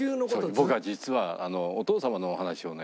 僕は実はお父様のお話をね